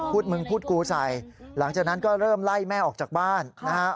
มึงพูดกูใส่หลังจากนั้นก็เริ่มไล่แม่ออกจากบ้านนะฮะ